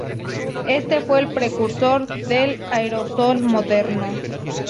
Este fue el precursor del aerosol moderno.